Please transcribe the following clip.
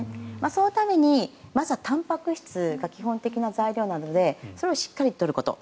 そのためにはまずはたんぱく質が基本的な材料なのでそれをしっかり取ること。